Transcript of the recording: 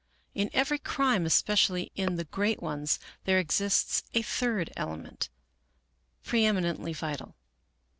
" In every crime, especially i.f the great ones, there exists a third element, preeminently vital.